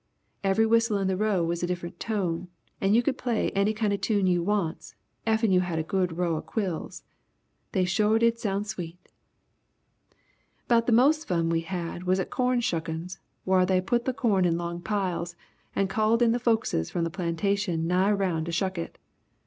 Every whistle in the row was a different tone and you could play any kind of tune you wants effen you had a good row of quills. They sho' did sound sweet! "'Bout the most fun we had was at corn shuckin's whar they put the corn in long piles and called in the folkses from the plantations nigh round to shuck it.